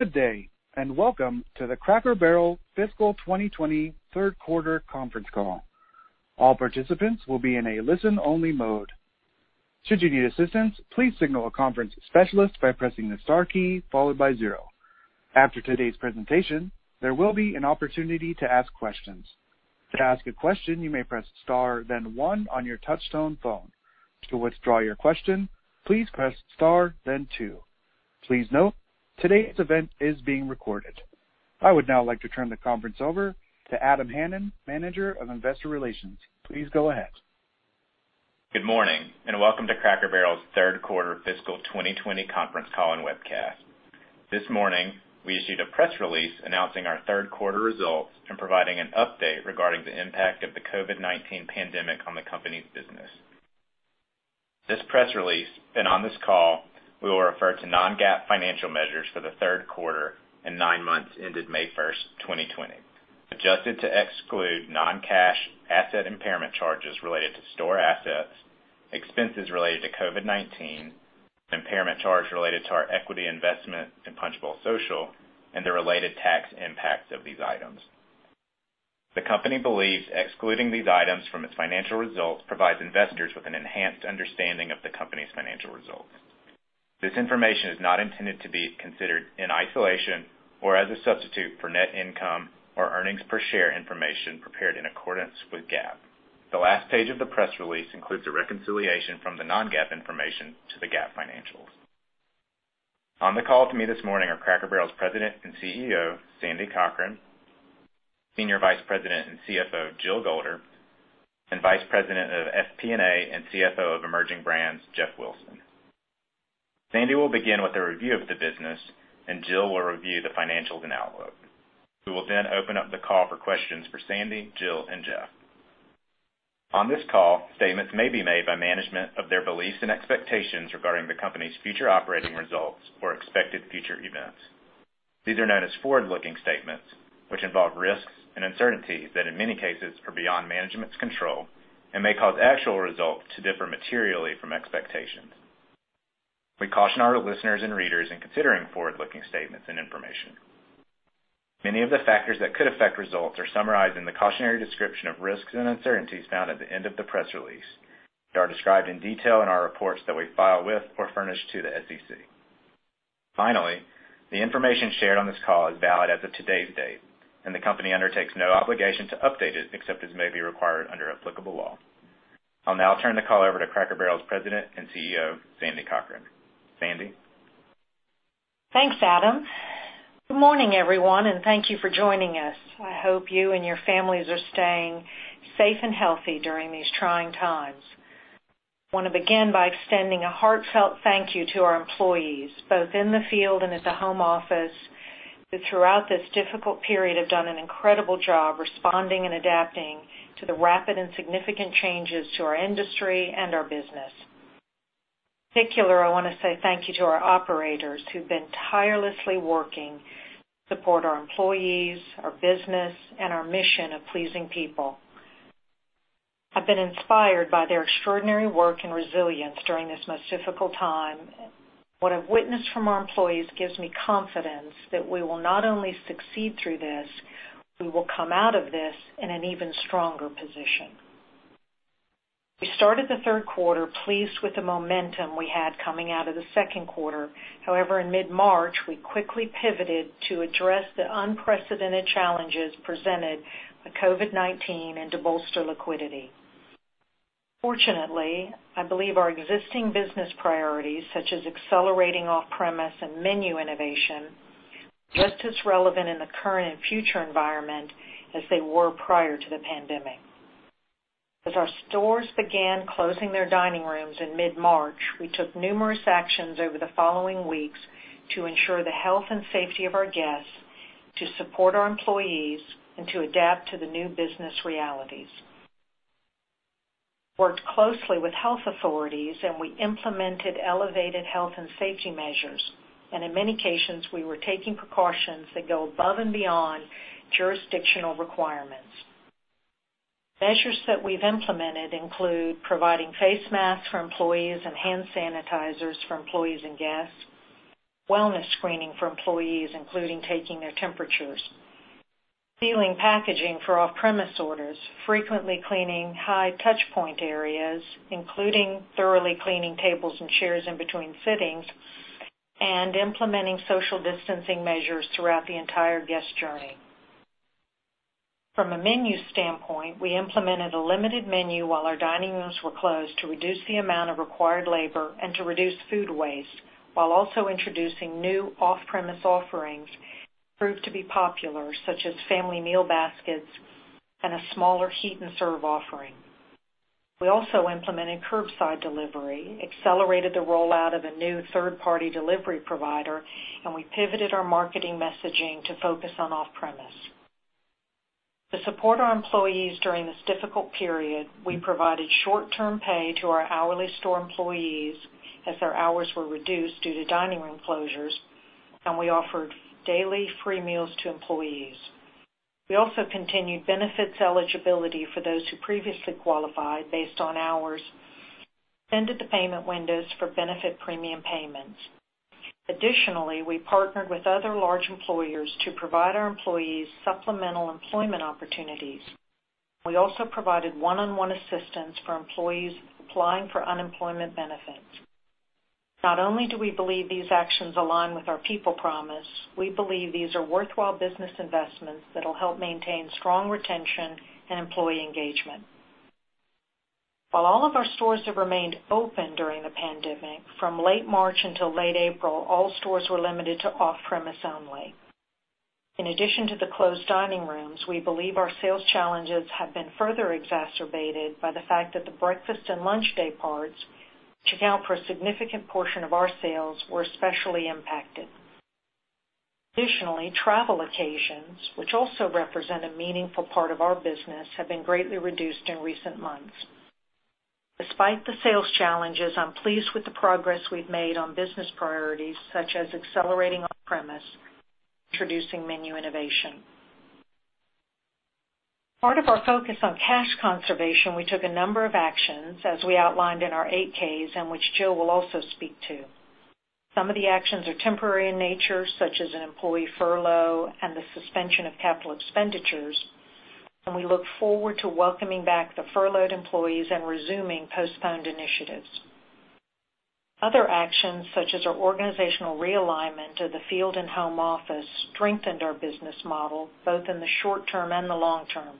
Good day, and welcome to the Cracker Barrel Fiscal 2020 Third Quarter Conference Call. All participants will be in a listen-only mode. Should you need assistance, please signal a conference specialist by pressing the star key followed by zero. After today's presentation, there will be an opportunity to ask questions. To ask a question, you may press star then one on your touch-tone phone. To withdraw your question, please press star then two. Please note, today's event is being recorded. I would now like to turn the conference over to Adam Hanan, Manager of Investor Relations. Please go ahead. Good morning, and welcome to Cracker Barrel's Third Quarter Fiscal 2020 Conference Call and Webcast. This morning, we issued a press release announcing our third quarter results and providing an update regarding the impact of the COVID-19 pandemic on the company's business. This press release, and on this call, we will refer to non-GAAP financial measures for the third quarter and nine months ended May 1st, 2020. Adjusted to exclude non-cash asset impairment charges related to store assets, expenses related to COVID-19, impairment charge related to our equity investment in Punch Bowl Social, and the related tax impacts of these items. The company believes excluding these items from its financial results provides investors with an enhanced understanding of the company's financial results. This information is not intended to be considered in isolation or as a substitute for net income or earnings per share information prepared in accordance with GAAP. The last page of the press release includes a reconciliation from the non-GAAP information to the GAAP financials. On the call with me this morning are Cracker Barrel's President and CEO, Sandy Cochran, Senior Vice President and CFO, Jill Golder, and Vice President of FP&A and CFO of Emerging Brands, Jeff Wilson. Sandy will begin with a review of the business, and Jill will review the financials and outlook. We will then open up the call for questions for Sandy, Jill, and Jeff. On this call, statements may be made by management of their beliefs and expectations regarding the company's future operating results or expected future events. These are known as forward-looking statements, which involve risks and uncertainties that in many cases are beyond management's control and may cause actual results to differ materially from expectations. We caution our listeners and readers in considering forward-looking statements and information. Many of the factors that could affect results are summarized in the cautionary description of risks and uncertainties found at the end of the press release. They are described in detail in our reports that we file with or furnish to the SEC. The information shared on this call is valid as of today's date, and the company undertakes no obligation to update it except as may be required under applicable law. I'll now turn the call over to Cracker Barrel's President and CEO, Sandy Cochran. Sandy? Thanks, Adam. Good morning, everyone, and thank you for joining us. I hope you and your families are staying safe and healthy during these trying times. I want to begin by extending a heartfelt thank you to our employees, both in the field and at the home office, who throughout this difficult period have done an incredible job responding and adapting to the rapid and significant changes to our industry and our business. In particular, I want to say thank you to our operators who've been tirelessly working to support our employees, our business, and our mission of pleasing people. I've been inspired by their extraordinary work and resilience during this most difficult time. What I've witnessed from our employees gives me confidence that we will not only succeed through this, we will come out of this in an even stronger position. We started the third quarter pleased with the momentum we had coming out of the second quarter. However, in mid-March, we quickly pivoted to address the unprecedented challenges presented by COVID-19 and to bolster liquidity. Fortunately, I believe our existing business priorities, such as accelerating off-premise and menu innovation, are just as relevant in the current and future environment as they were prior to the pandemic. As our stores began closing their dining rooms in mid-March, we took numerous actions over the following weeks to ensure the health and safety of our guests, to support our employees, and to adapt to the new business realities. We worked closely with health authorities, and we implemented elevated health and safety measures, and in many cases, we were taking precautions that go above and beyond jurisdictional requirements. Measures that we've implemented include providing face masks for employees and hand sanitizers for employees and guests, wellness screening for employees, including taking their temperatures, sealing packaging for off-premise orders, frequently cleaning high-touch point areas, including thoroughly cleaning tables and chairs in between sittings, and implementing social distancing measures throughout the entire guest journey. From a menu standpoint, we implemented a limited menu while our dining rooms were closed to reduce the amount of required labor and to reduce food waste, while also introducing new off-premise offerings that proved to be popular, such as Family Meal Baskets and a smaller heat-and-serve offering. We also implemented curbside delivery, accelerated the rollout of a new third-party delivery provider, and we pivoted our marketing messaging to focus on off-premise. To support our employees during this difficult period, we provided short-term pay to our hourly store employees as their hours were reduced due to dining room closures, and we offered daily free meals to employees. We also continued benefits eligibility for those who previously qualified based on hours. Extended the payment windows for benefit premium payments. Additionally, we partnered with other large employers to provide our employees supplemental employment opportunities. We also provided one-on-one assistance for employees applying for unemployment benefits. Not only do we believe these actions align with our people promise, we believe these are worthwhile business investments that'll help maintain strong retention and employee engagement. While all of our stores have remained open during the pandemic, from late March until late April, all stores were limited to off-premise only. In addition to the closed dining rooms, we believe our sales challenges have been further exacerbated by the fact that the breakfast and lunch day parts, which account for a significant portion of our sales, were especially impacted. Additionally, travel occasions, which also represent a meaningful part of our business, have been greatly reduced in recent months. Despite the sales challenges, I'm pleased with the progress we've made on business priorities, such as accelerating off-premise and introducing menu innovation. Part of our focus on cash conservation, we took a number of actions, as we outlined in our 8-Ks, and which Jill will also speak to. Some of the actions are temporary in nature, such as an employee furlough and the suspension of capital expenditures, and we look forward to welcoming back the furloughed employees and resuming postponed initiatives. Other actions, such as our organizational realignment of the field and home office, strengthened our business model, both in the short term and the long term.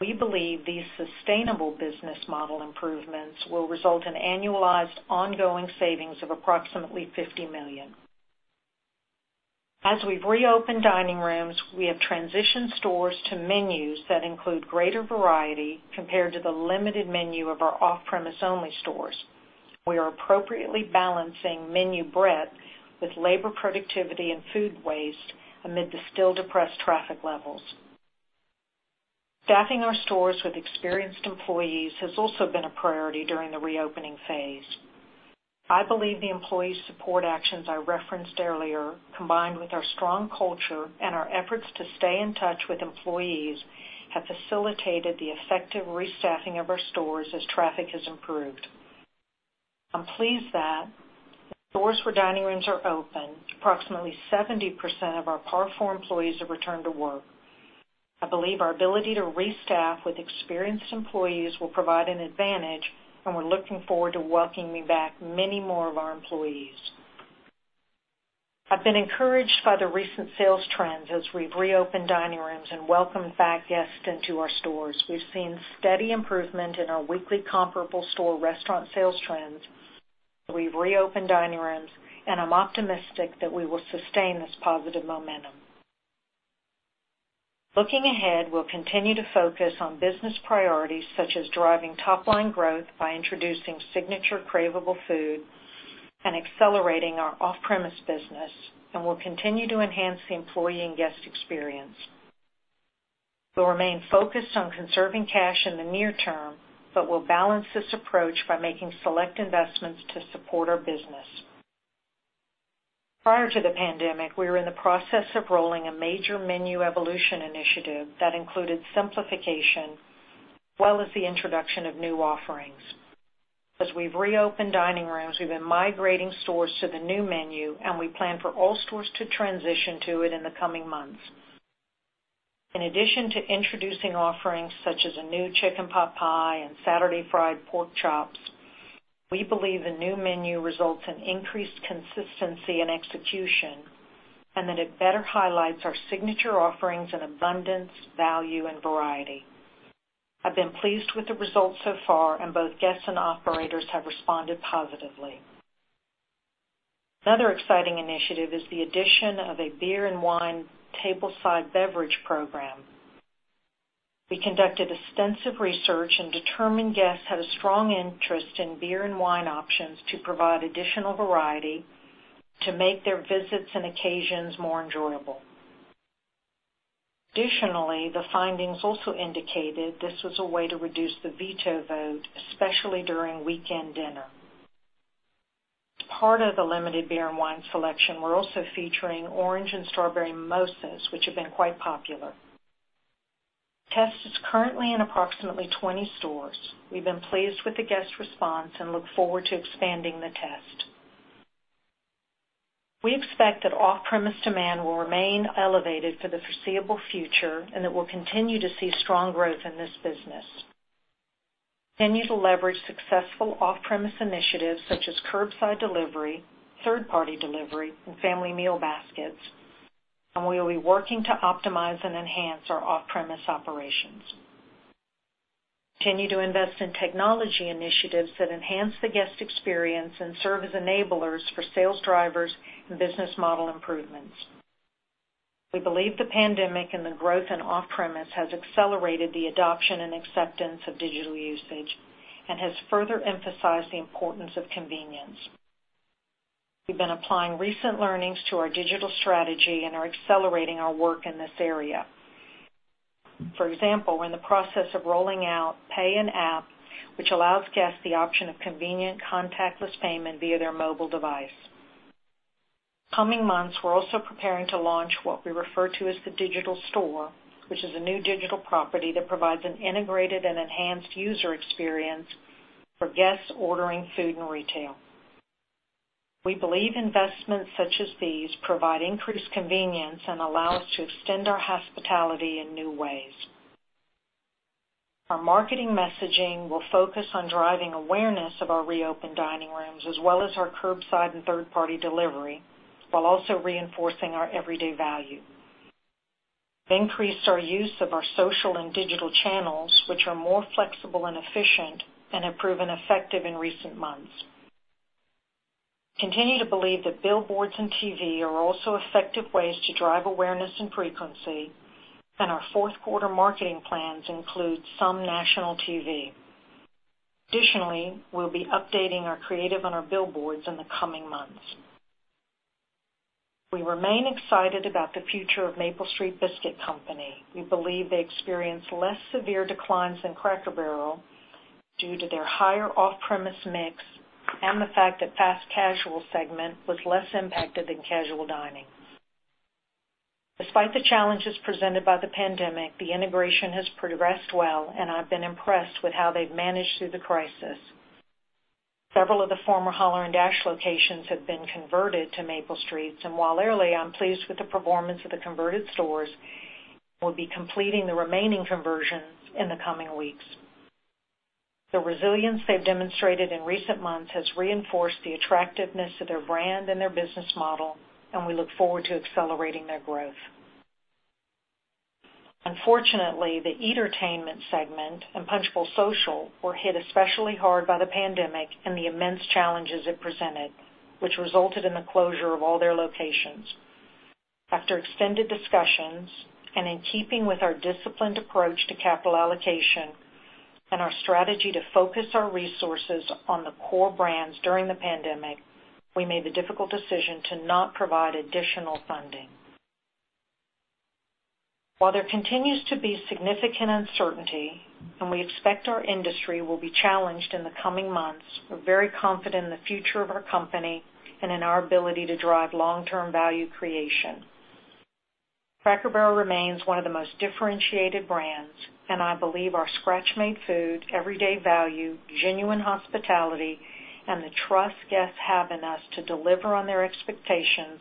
We believe these sustainable business model improvements will result in annualized ongoing savings of approximately $50 million. As we've reopened dining rooms, we have transitioned stores to menus that include greater variety compared to the limited menu of our off-premise only stores. We are appropriately balancing menu breadth with labor productivity and food waste amid the still depressed traffic levels. Staffing our stores with experienced employees has also been a priority during the reopening phase. I believe the employee support actions I referenced earlier, combined with our strong culture and our efforts to stay in touch with employees, have facilitated the effective restaffing of our stores as traffic has improved. I'm pleased that stores where dining rooms are open, approximately 70% of our PAR 4 employees have returned to work. I believe our ability to restaff with experienced employees will provide an advantage, and we're looking forward to welcoming back many more of our employees. I've been encouraged by the recent sales trends as we've reopened dining rooms and welcomed back guests into our stores. We've seen steady improvement in our weekly comparable store restaurant sales trends as we've reopened dining rooms, and I'm optimistic that we will sustain this positive momentum. Looking ahead, we'll continue to focus on business priorities such as driving top-line growth by introducing signature craveable food and accelerating our off-premise business, and we'll continue to enhance the employee and guest experience. We'll remain focused on conserving cash in the near term, but we'll balance this approach by making select investments to support our business. Prior to the pandemic, we were in the process of rolling a major menu evolution initiative that included simplification, as well as the introduction of new offerings. As we've reopened dining rooms, we've been migrating stores to the new menu, and we plan for all stores to transition to it in the coming months. In addition to introducing offerings such as a new Chicken Pot Pie and Saturday Fried Pork Chops, we believe the new menu results in increased consistency in execution and that it better highlights our signature offerings in abundance, value, and variety. I've been pleased with the results so far, and both guests and operators have responded positively. Another exciting initiative is the addition of a beer and wine tableside beverage program. We conducted extensive research and determined guests had a strong interest in beer and wine options to provide additional variety to make their visits and occasions more enjoyable. The findings also indicated this was a way to reduce the veto vote, especially during weekend dinner. As part of the limited beer and wine selection, we're also featuring orange and strawberry mimosas, which have been quite popular. Test is currently in approximately 20 stores. We've been pleased with the guest response and look forward to expanding the test. We expect that off-premise demand will remain elevated for the foreseeable future and that we'll continue to see strong growth in this business. Continue to leverage successful off-premise initiatives such as curbside delivery, third-party delivery, and Family Meal Baskets, and we will be working to optimize and enhance our off-premise operations. Continue to invest in technology initiatives that enhance the guest experience and serve as enablers for sales drivers and business model improvements. We believe the pandemic and the growth in off-premise has accelerated the adoption and acceptance of digital usage and has further emphasized the importance of convenience. We've been applying recent learnings to our digital strategy and are accelerating our work in this area. For example, we're in the process of rolling out Pay In App, which allows guests the option of convenient contactless payment via their mobile device. In coming months, we're also preparing to launch what we refer to as the Digital Store, which is a new digital property that provides an integrated and enhanced user experience for guests ordering food and retail. We believe investments such as these provide increased convenience and allow us to extend our hospitality in new ways. Our marketing messaging will focus on driving awareness of our reopened dining rooms, as well as our curbside and third-party delivery, while also reinforcing our everyday value. We increased our use of our social and digital channels, which are more flexible and efficient and have proven effective in recent months. We continue to believe that billboards and TV are also effective ways to drive awareness and frequency, and our fourth quarter marketing plans include some national TV. Additionally, we'll be updating our creative on our billboards in the coming months. We remain excited about the future of Maple Street Biscuit Company. We believe they experienced less severe declines than Cracker Barrel due to their higher off-premise mix and the fact that fast casual segment was less impacted than casual dining. Despite the challenges presented by the pandemic, the integration has progressed well, and I've been impressed with how they've managed through the crisis. Several of the former Holler & Dash locations have been converted to Maple Streets, and while early, I'm pleased with the performance of the converted stores and will be completing the remaining conversions in the coming weeks. The resilience they've demonstrated in recent months has reinforced the attractiveness of their brand and their business model, and we look forward to accelerating their growth. Unfortunately, the eatertainment segment and Punch Bowl Social were hit especially hard by the pandemic and the immense challenges it presented, which resulted in the closure of all their locations. After extended discussions, and in keeping with our disciplined approach to capital allocation and our strategy to focus our resources on the core brands during the pandemic, we made the difficult decision to not provide additional funding. While there continues to be significant uncertainty and we expect our industry will be challenged in the coming months, we're very confident in the future of our company and in our ability to drive long-term value creation. Cracker Barrel remains one of the most differentiated brands, and I believe our scratch-made food, everyday value, genuine hospitality, and the trust guests have in us to deliver on their expectations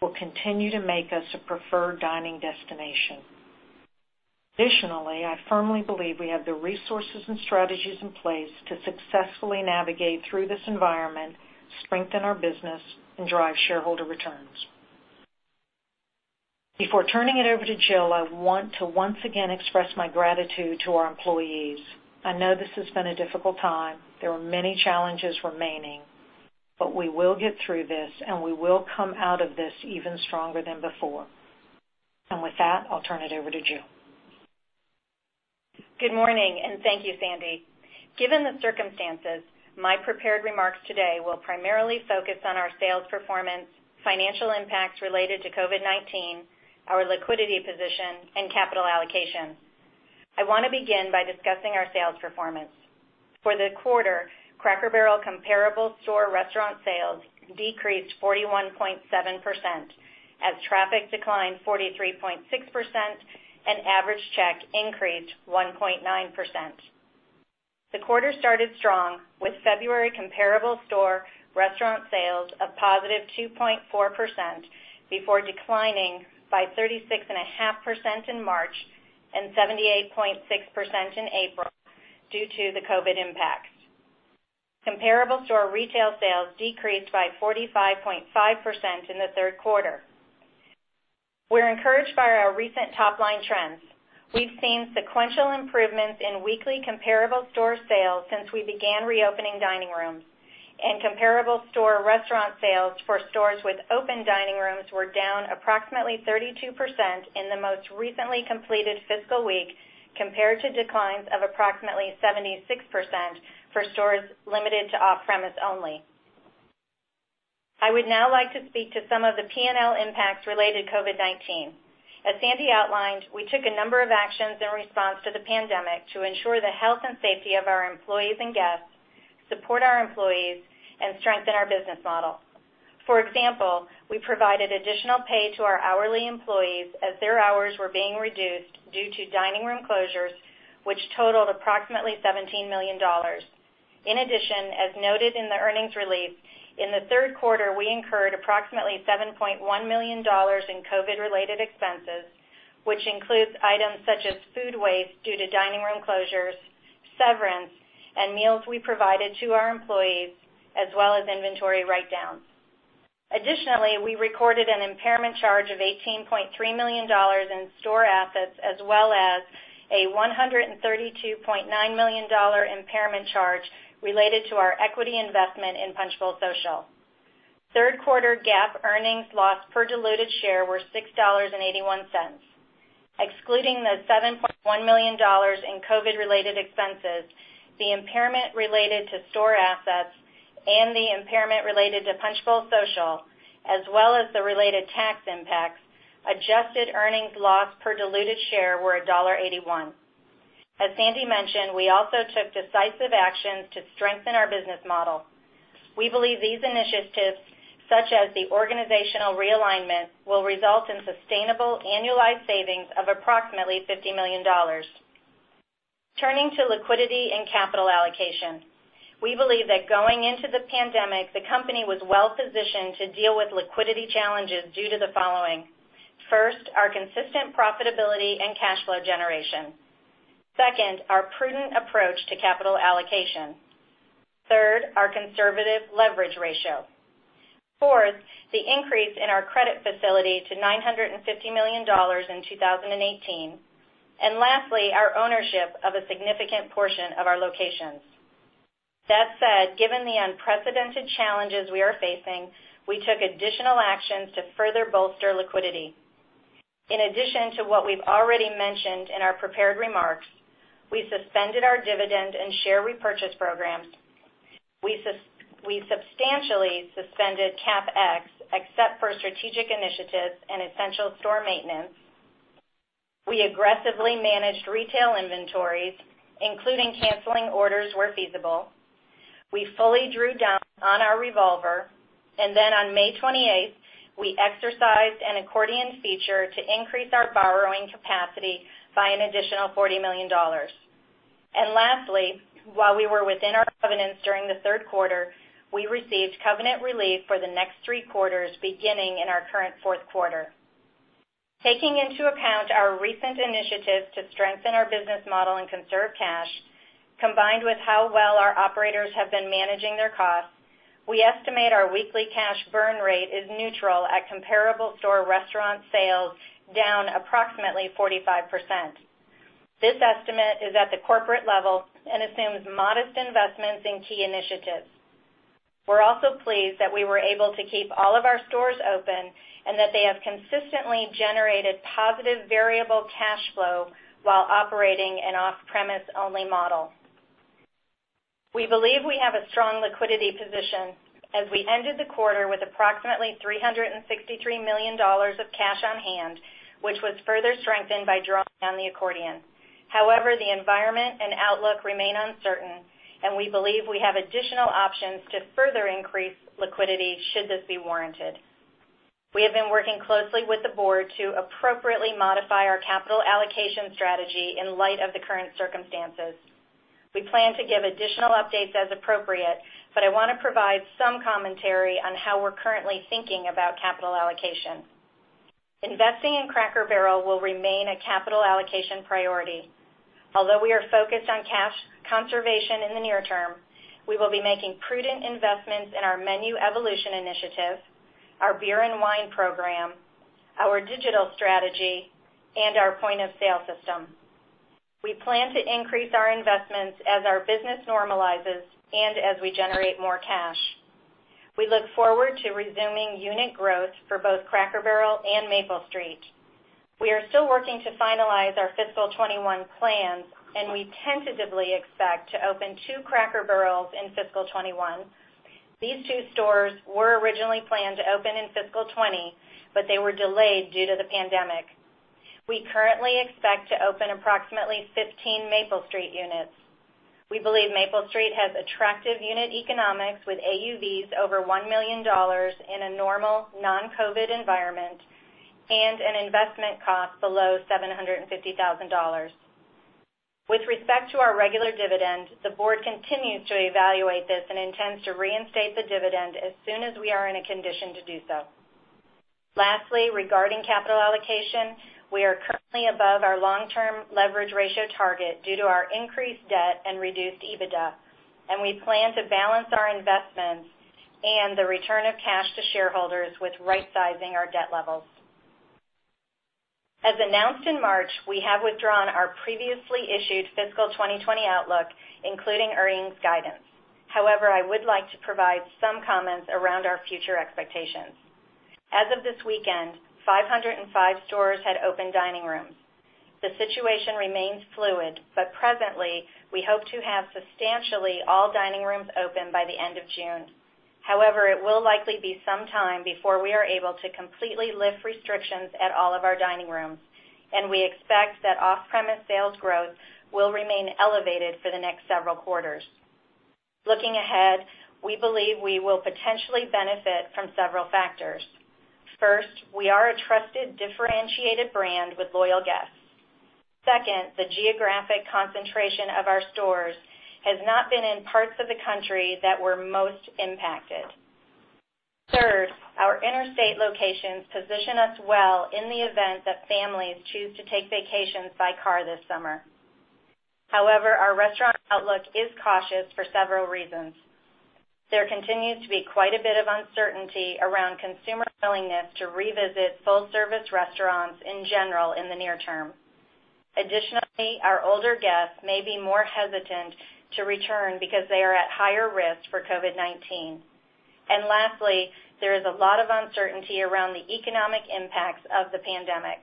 will continue to make us a preferred dining destination. Additionally, I firmly believe we have the resources and strategies in place to successfully navigate through this environment, strengthen our business, and drive shareholder returns. Before turning it over to Jill, I want to once again express my gratitude to our employees. I know this has been a difficult time. There are many challenges remaining, but we will get through this, and we will come out of this even stronger than before. With that, I'll turn it over to Jill. Good morning. Thank you, Sandy. Given the circumstances, my prepared remarks today will primarily focus on our sales performance, financial impacts related to COVID-19, our liquidity position, and capital allocation. I want to begin by discussing our sales performance. For the quarter, Cracker Barrel comparable store restaurant sales decreased 41.7%, as traffic declined 43.6% and average check increased 1.9%. The quarter started strong with February comparable store restaurant sales of positive 2.4% before declining by 36.5% in March and 78.6% in April due to the COVID impacts. Comparable store retail sales decreased by 45.5% in the third quarter. We're encouraged by our recent top-line trends. We've seen sequential improvements in weekly comparable store sales since we began reopening dining rooms, and comparable store restaurant sales for stores with open dining rooms were down approximately 32% in the most recently completed fiscal week, compared to declines of approximately 76% for stores limited to off-premise only. I would now like to speak to some of the P&L impacts related to COVID-19. As Sandy outlined, we took a number of actions in response to the pandemic to ensure the health and safety of our employees and guests, support our employees, and strengthen our business model. For example, we provided additional pay to our hourly employees as their hours were being reduced due to dining room closures, which totaled approximately $17 million. As noted in the earnings release, in the third quarter, we incurred approximately $7.1 million in COVID-related expenses, which includes items such as food waste due to dining room closures, severance, and meals we provided to our employees, as well as inventory write-downs. We recorded an impairment charge of $18.3 million in store assets, as well as a $132.9 million impairment charge related to our equity investment in Punch Bowl Social. Third quarter GAAP earnings loss per diluted share were $6.81. Excluding the $7.1 million in COVID-related expenses, the impairment related to store assets and the impairment related to Punch Bowl Social, as well as the related tax impacts, adjusted earnings loss per diluted share were $1.81. As Sandy mentioned, we also took decisive actions to strengthen our business model. We believe these initiatives, such as the organizational realignment, will result in sustainable annualized savings of approximately $50 million. Turning to liquidity and capital allocation, we believe that going into the pandemic, the company was well positioned to deal with liquidity challenges due to the following. First, our consistent profitability and cash flow generation. Second, our prudent approach to capital allocation. Third, our conservative leverage ratio. Fourth, the increase in our credit facility to $950 million in 2018. Lastly, our ownership of a significant portion of our locations. That said, given the unprecedented challenges we are facing, we took additional actions to further bolster liquidity. In addition to what we've already mentioned in our prepared remarks, we suspended our dividend and share repurchase programs. We substantially suspended CapEx except for strategic initiatives and essential store maintenance. We aggressively managed retail inventories, including canceling orders where feasible. We fully drew down on our revolver, and then on May 28th, we exercised an accordion feature to increase our borrowing capacity by an additional $40 million. Lastly, while we were within our covenants during the third quarter, we received covenant relief for the next three quarters, beginning in our current fourth quarter. Taking into account our recent initiatives to strengthen our business model and conserve cash, combined with how well our operators have been managing their costs, we estimate our weekly cash burn rate is neutral at comparable store restaurant sales down approximately 45%. This estimate is at the corporate level and assumes modest investments in key initiatives. We're also pleased that we were able to keep all of our stores open and that they have consistently generated positive variable cash flow while operating an off-premise only model. We believe we have a strong liquidity position as we ended the quarter with approximately $363 million of cash on hand, which was further strengthened by drawing down the accordion. The environment and outlook remain uncertain, and we believe we have additional options to further increase liquidity should this be warranted. We have been working closely with the board to appropriately modify our capital allocation strategy in light of the current circumstances. We plan to give additional updates as appropriate, I want to provide some commentary on how we're currently thinking about capital allocation. Investing in Cracker Barrel will remain a capital allocation priority. Although we are focused on cash conservation in the near term, we will be making prudent investments in our Menu Evolution Initiative, our beer and wine program, our digital strategy, and our point of sale system. We plan to increase our investments as our business normalizes and as we generate more cash. We look forward to resuming unit growth for both Cracker Barrel and Maple Street. We are still working to finalize our fiscal 2021 plans, and we tentatively expect to open two Cracker Barrels in fiscal 2021. These two stores were originally planned to open in fiscal 2020, but they were delayed due to the pandemic. We currently expect to open approximately 15 Maple Street units. We believe Maple Street has attractive unit economics with AUVs over $1 million in a normal, non-COVID environment and an investment cost below $750,000. With respect to our regular dividend, the board continues to evaluate this and intends to reinstate the dividend as soon as we are in a condition to do so. Lastly, regarding capital allocation, we are currently above our long-term leverage ratio target due to our increased debt and reduced EBITDA, and we plan to balance our investments and the return of cash to shareholders with rightsizing our debt levels. As announced in March, we have withdrawn our previously issued fiscal 2020 outlook, including earnings guidance. I would like to provide some comments around our future expectations. As of this weekend, 505 stores had open dining rooms. The situation remains fluid, but presently, we hope to have substantially all dining rooms open by the end of June. It will likely be some time before we are able to completely lift restrictions at all of our dining rooms, and we expect that off-premise sales growth will remain elevated for the next several quarters. Looking ahead, we believe we will potentially benefit from several factors. First, we are a trusted, differentiated brand with loyal guests. Second, the geographic concentration of our stores has not been in parts of the country that were most impacted. Third, our interstate locations position us well in the event that families choose to take vacations by car this summer. However, our restaurant outlook is cautious for several reasons. There continues to be quite a bit of uncertainty around consumer willingness to revisit full-service restaurants in general in the near term. Additionally, our older guests may be more hesitant to return because they are at higher risk for COVID-19. Lastly, there is a lot of uncertainty around the economic impacts of the pandemic.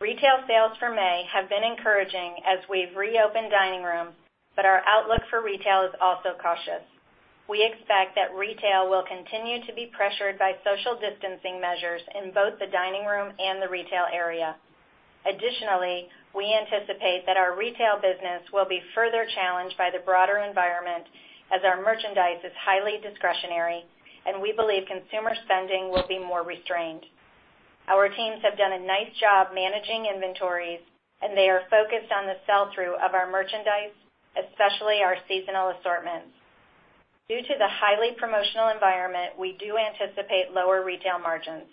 Retail sales for May have been encouraging as we've reopened dining rooms, but our outlook for retail is also cautious. We expect that retail will continue to be pressured by social distancing measures in both the dining room and retail area. Additionally, we anticipate that our retail business will be further challenged by the broader environment as our merchandise is highly discretionary, and we believe consumer spending will be more restrained. Our teams have done a nice job managing inventories, and they are focused on the sell-through of our merchandise, especially our seasonal assortments. Due to the highly promotional environment, we do anticipate lower retail margins.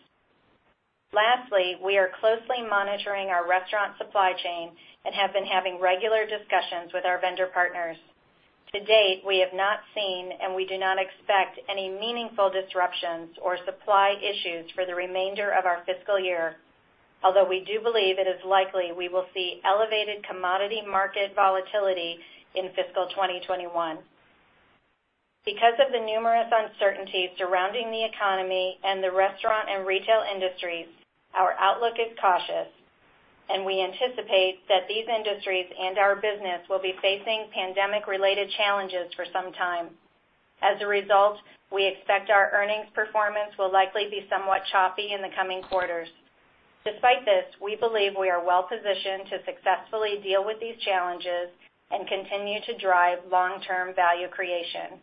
Lastly, we are closely monitoring our restaurant supply chain and have been having regular discussions with our vendor partners. To date, we have not seen, and we do not expect any meaningful disruptions or supply issues for the remainder of our fiscal year. We do believe it is likely we will see elevated commodity market volatility in fiscal 2021. Because of the numerous uncertainties surrounding the economy and the restaurant and retail industries, our outlook is cautious, and we anticipate that these industries and our business will be facing pandemic-related challenges for some time. We expect our earnings performance will likely be somewhat choppy in the coming quarters. We believe we are well positioned to successfully deal with these challenges and continue to drive long-term value creation.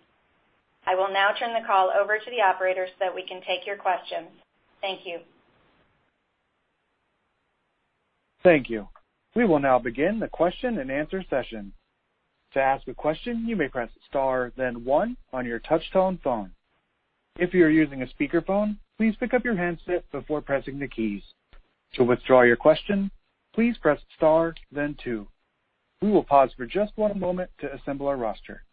I will now turn the call over to the operator so that we can take your questions. Thank you. Thank you. We will now begin the question and answer session. To ask a question, you may press star then one on your touch-tone phone. If you are using a speakerphone, please pick up your handset before pressing the keys. To withdraw your question, please press star then two. We will pause for just one moment to assemble our roster.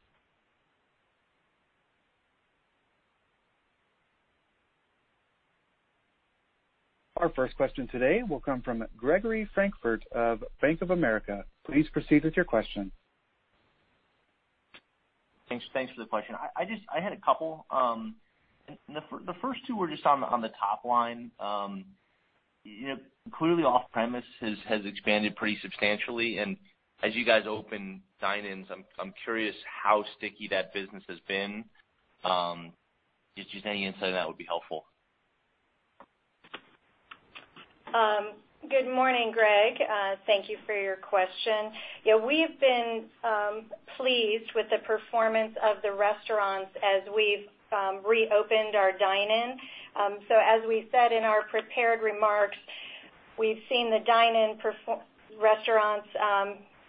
Our first question today will come from Gregory Francfort of Bank of America. Please proceed with your question. Thanks for the question. I had a couple. The first two were just on the top line. Clearly, off-premise has expanded pretty substantially and as you guys open dine-ins, I'm curious how sticky that business has been. Just any insight on that would be helpful. Good morning, Gregory. Thank you for your question. We've been pleased with the performance of the restaurants as we've reopened our dine-in. As we said in our prepared remarks, we've seen the dine-in restaurants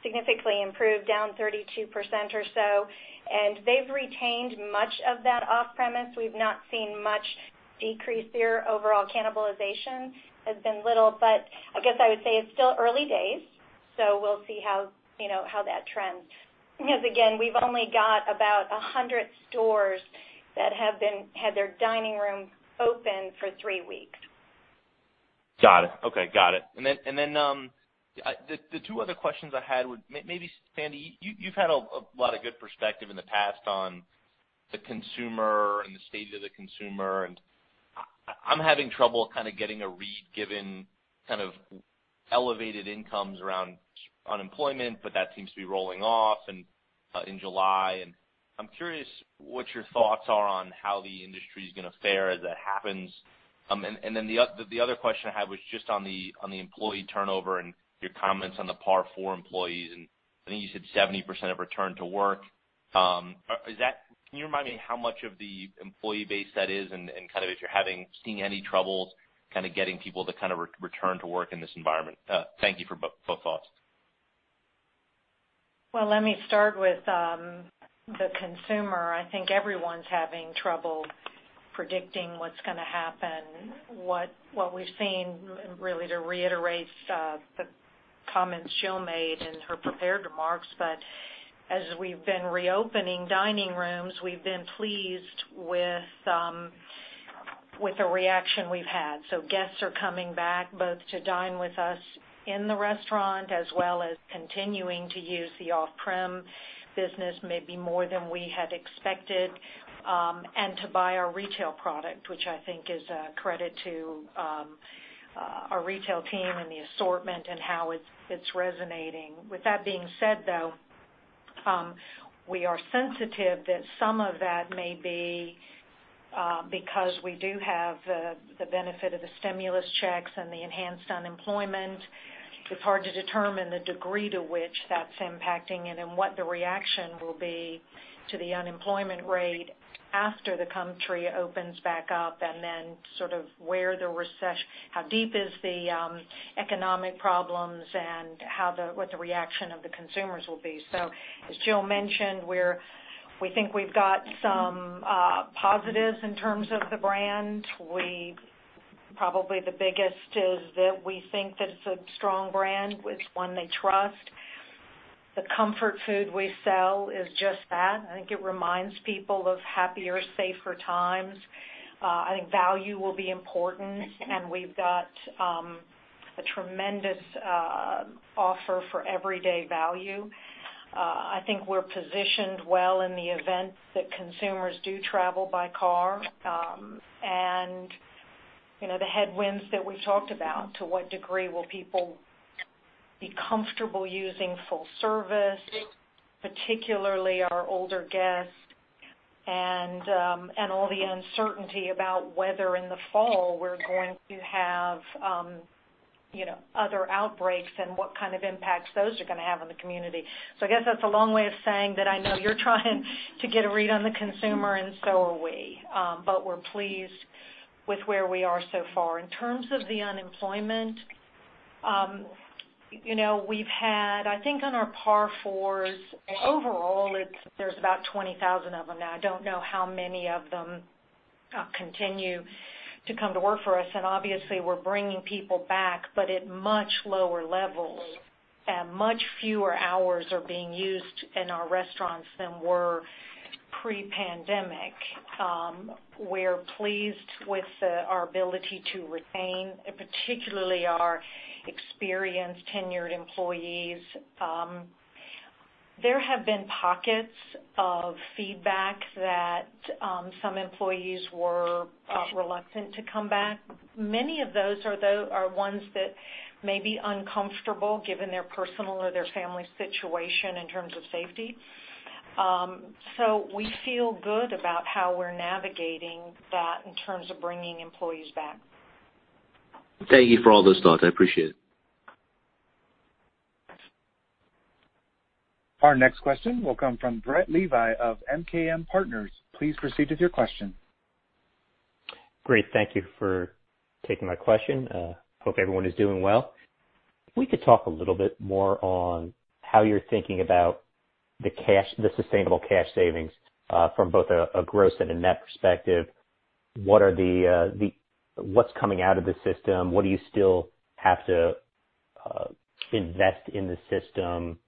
significantly improve, down 32% or so, and they've retained much of that off-premise. We've not seen much decrease there. Overall cannibalization has been little, I guess I would say it's still early days, we'll see how that trends. Again, we've only got about 100 stores that have had their dining room open for three weeks. Got it. Okay. The two other questions I had. Maybe Sandy, you've had a lot of good perspective in the past on the consumer and the state of the consumer, and I'm having trouble kind of getting a read given kind of elevated incomes around unemployment, but that seems to be rolling off in July. I'm curious what your thoughts are on how the industry's going to fare as that happens. The other question I had was just on the employee turnover and your comments on the PAR 4 employees, and I think you said 70% have returned to work. Can you remind me how much of the employee base that is and if you're seeing any troubles getting people to return to work in this environment? Thank you for both thoughts. Well, let me start with the consumer. I think everyone's having trouble predicting what's going to happen. What we've seen, really, to reiterate the comments Jill made in her prepared remarks, as we've been reopening dining rooms, we've been pleased with the reaction we've had. Guests are coming back both to dine with us in the restaurant as well as continuing to use the off-prem business maybe more than we had expected, and to buy our retail product, which I think is a credit to our retail team and the assortment and how it's resonating. With that being said, though, we are sensitive that some of that may be because we do have the benefit of the stimulus checks and the enhanced unemployment. It's hard to determine the degree to which that's impacting and then what the reaction will be to the unemployment rate after the country opens back up and then sort of how deep is the economic problems and what the reaction of the consumers will be. As Jill mentioned, we think we've got some positives in terms of the brand. Probably the biggest is that we think that it's a strong brand. It's one they trust. The comfort food we sell is just that. I think it reminds people of happier, safer times. I think value will be important, and we've got a tremendous offer for everyday value. I think we're positioned well in the event that consumers do travel by car. The headwinds that we talked about, to what degree will people be comfortable using full service, particularly our older guests, and all the uncertainty about whether in the fall we're going to have other outbreaks and what kind of impacts those are going to have on the community. I guess that's a long way of saying that I know you're trying to get a read on the consumer, and so are we. We're pleased with where we are so far. In terms of the unemployment, we've had, I think on our PAR 4s, overall, there's about 20,000 of them now. I don't know how many of them continue to come to work for us, and obviously we're bringing people back, but at much lower levels. Much fewer hours are being used in our restaurants than were pre-pandemic. We're pleased with our ability to retain, particularly our experienced tenured employees. There have been pockets of feedback that some employees were reluctant to come back. Many of those are ones that may be uncomfortable given their personal or their family situation in terms of safety. We feel good about how we're navigating that in terms of bringing employees back. Thank you for all those thoughts. I appreciate it. Our next question will come from Brett Levy of MKM Partners. Please proceed with your question. Great. Thank you for taking my question. Hope everyone is doing well. If we could talk a little bit more on how you're thinking about the sustainable cash savings from both a gross and a net perspective. What's coming out of the system? What do you still have to invest in the system,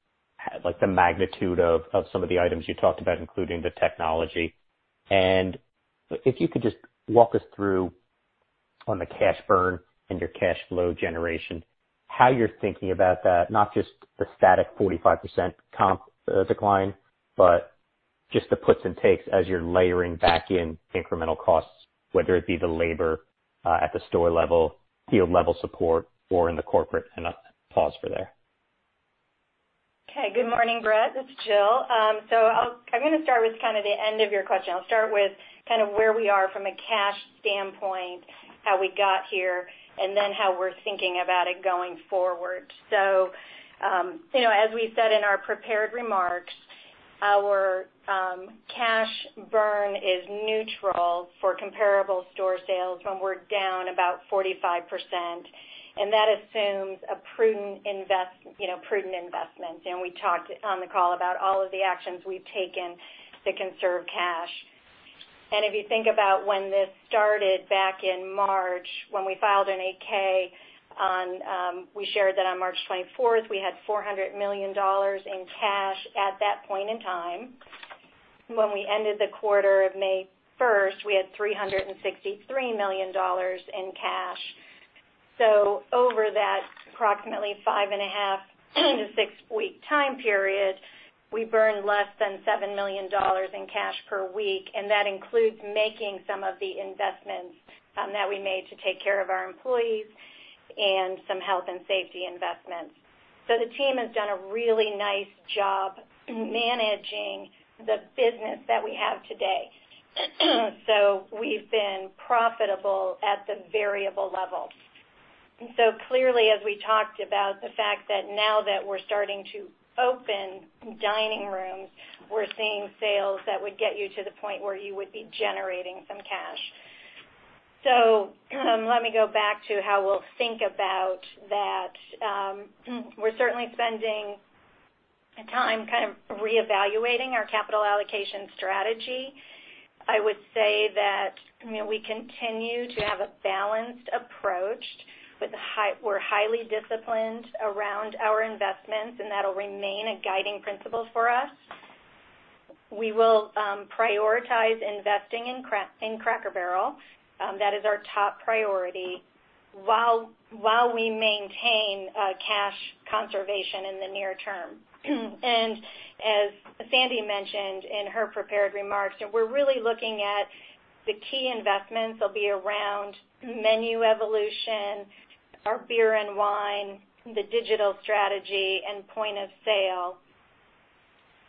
like the magnitude of some of the items you talked about, including the technology? If you could just walk us through on the cash burn and your cash flow generation, how you're thinking about that, not just the static 45% comp decline, but just the puts and takes as you're layering back in incremental costs, whether it be the labor at the store level, field level support, or in the corporate. I'll pause for there. Okay. Good morning, Brett. This is Jill. I'm going to start with the end of your question. I'll start with where we are from a cash standpoint, how we got here, and then how we're thinking about it going forward. As we said in our prepared remarks, our cash burn is neutral for comparable store sales when we're down about 45%, and that assumes a prudent investment. We talked on the call about all of the actions we've taken to conserve cash. If you think about when this started back in March, when we filed an 8-K, we shared that on March 24th, we had $400 million in cash at that point in time. When we ended the quarter of May 1st, we had $363 million in cash. Over that approximately 5.5-6 weeks time period, we burned less than $7 million in cash per week, and that includes making some of the investments that we made to take care of our employees and some health and safety investments. The team has done a really nice job managing the business that we have today. We've been profitable at the variable level. Clearly, as we talked about the fact that now that we're starting to open dining rooms, we're seeing sales that would get you to the point where you would be generating some cash. Let me go back to how we'll think about that. We're certainly spending time reevaluating our capital allocation strategy. I would say that we continue to have a balanced approach. We're highly disciplined around our investments, and that'll remain a guiding principle for us. We will prioritize investing in Cracker Barrel. That is our top priority while we maintain cash conservation in the near term. As Sandy mentioned in her prepared remarks, we're really looking at the key investments. They will be around menu evolution, our beer and wine, the digital strategy, and point of sale.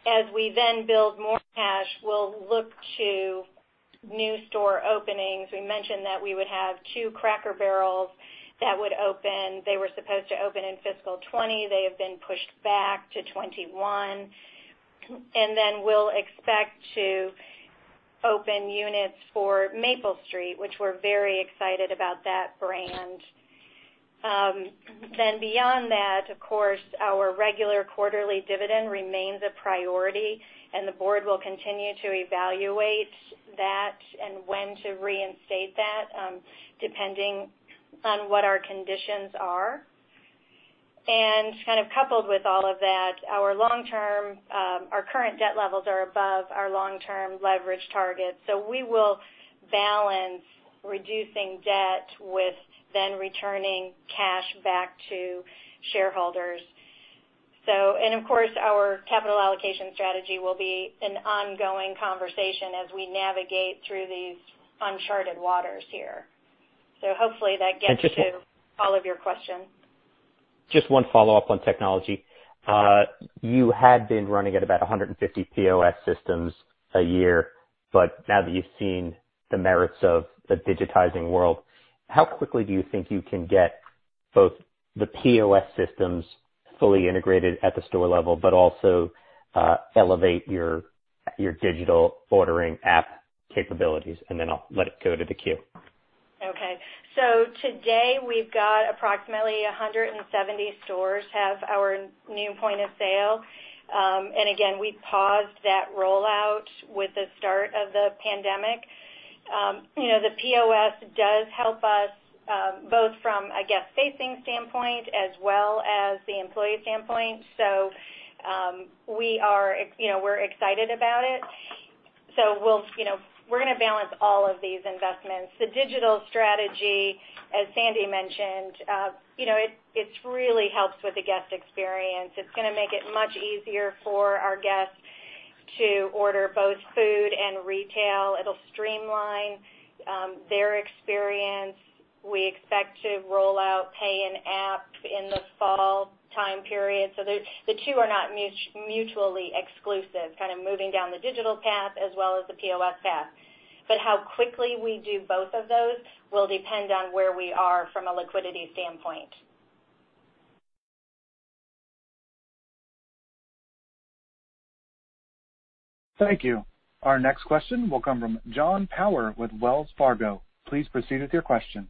As we then build more cash, we will look to new store openings. We mentioned that we would have two Cracker Barrels that would open. They were supposed to open in fiscal 2020. They have been pushed back to 2021. Then we will expect to open units for Maple Street, which we're very excited about that brand. Beyond that, of course, our regular quarterly dividend remains a priority, and the board will continue to evaluate that and when to reinstate that, depending on what our conditions are. Coupled with all of that, our current debt levels are above our long-term leverage targets. We will balance reducing debt with then returning cash back to shareholders. Of course, our capital allocation strategy will be an ongoing conversation as we navigate through these uncharted waters here. Hopefully that gets to all of your questions. Just one follow-up on technology. You had been running at about 150 POS systems a year, but now that you've seen the merits of the digitizing world, how quickly do you think you can get both the POS systems fully integrated at the store level, but also elevate your digital ordering app capabilities? Then I'll let it go to the queue. Okay. Today we've got approximately 170 stores have our new point of sale. Again, we paused that rollout with the start of the pandemic. The POS does help us both from a guest-facing standpoint as well as the employee standpoint. We're excited about it. We're going to balance all of these investments. The digital strategy, as Sandy mentioned, it really helps with the guest experience. It's going to make it much easier for our guests to order both food and retail. It'll streamline their experience. We expect to roll out Pay In App in the fall time period. The two are not mutually exclusive, kind of moving down the digital path as well as the POS path. How quickly we do both of those will depend on where we are from a liquidity standpoint. Thank you. Our next question will come from Jon Tower with Wells Fargo. Please proceed with your question.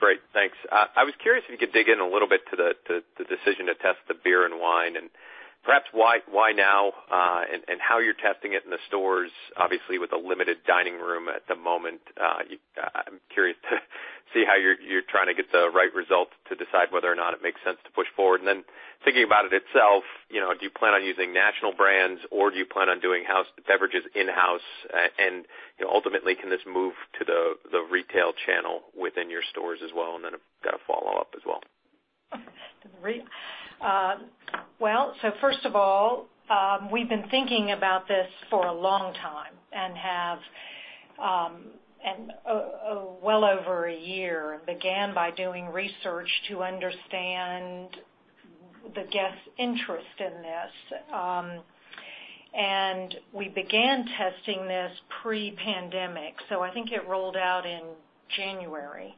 Great. Thanks. I was curious if you could dig in a little bit to the decision to test the beer and wine, and perhaps why now, and how you're testing it in the stores, obviously with a limited dining room at the moment, I'm curious to see how you're trying to get the right result to decide whether or not it makes sense to push forward. Thinking about it itself, do you plan on using national brands or do you plan on doing beverages in-house? Ultimately, can this move to the retail channel within your stores as well? I've got a follow-up as well. First of all, we've been thinking about this for a long time and well over a year, and began by doing research to understand the guests' interest in this. We began testing this pre-pandemic, I think it rolled out in January